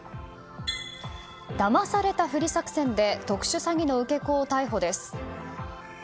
だまされたふり作戦で特殊詐欺の受け子を逮捕です。